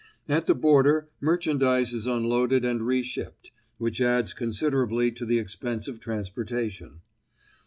At the border merchandise is unloaded and re shipped, which adds considerably to the expense of transportation.